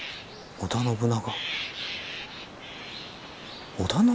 織田信長？